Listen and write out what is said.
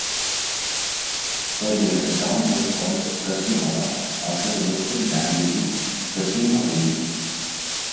Earlier the town was called Qasimabad, after a Muslim landlady Qaseema Bibi.